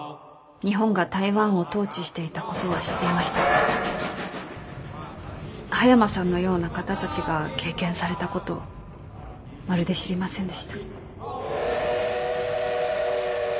日本が台湾を統治していたことは知っていましたが葉山さんのような方たちが経験されたことをまるで知りませんでした。